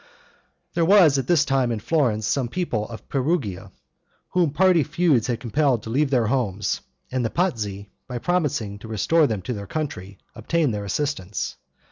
There were at this time in Florence some people of Perugia, whom party feuds had compelled to leave their homes; and the Pazzi, by promising to restore them to their country, obtained their assistance.